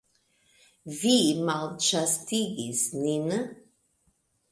Vi malĉastigis min!